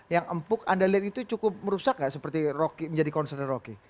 yang empuk anda lihat itu cukup merusak gak seperti rocky menjadi konser rocky